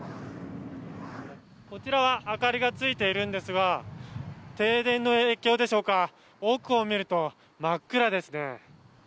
こちらは明かりがついているんですが停電の影響でしょうか奥を見ると真っ暗ですね。